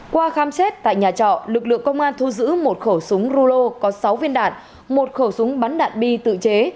qua khám xét tại nhà trọ lực lượng công an thu giữ một khẩu súng rulo có sáu viên đạn một khẩu súng bắn đạn bi tự chế